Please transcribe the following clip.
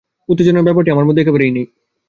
উত্তেজনার ব্যাপারটি আমার মধ্যে একেবারেই নেই।